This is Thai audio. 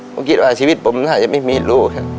ผมคิดว่าชีวิตผมน่าจะไม่มีลูก